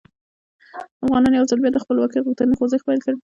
افغانانو یو ځل بیا د خپلواکۍ غوښتنې خوځښت پیل کړ.